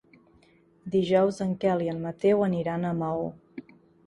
Dijous en Quel i en Mateu aniran a Maó.